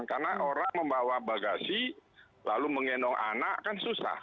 karena orang membawa bagasi lalu mengendong anak kan susah